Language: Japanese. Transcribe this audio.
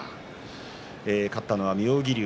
勝ったのは妙義龍。